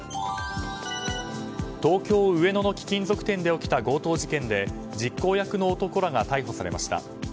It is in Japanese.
東京・上野の貴金属店で起きた強盗事件で実行役の男らが逮捕されました。